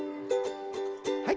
はい。